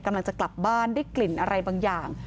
กำลังจะกลับบ้านได้กลิ่นอะไรบางอย่าง